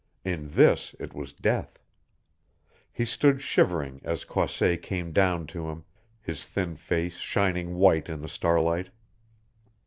In this it was death. He stood shivering as Croisset came down to him, his thin face shining white in the starlight.